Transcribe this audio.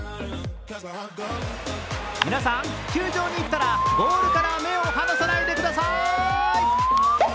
皆さん、球場に行ったらボールから目を離さないでください！